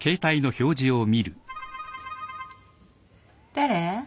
誰？